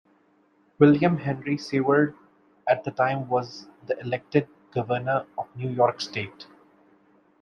William Henry Seward at the time was the elected governor of New York State.